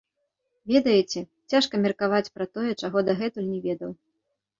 Ведаеце, цяжка меркаваць пра тое, чаго дагэтуль не ведаў.